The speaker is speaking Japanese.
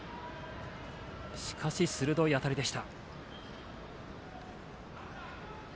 しかし鋭い当たりでした。